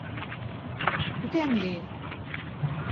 Truquem-li!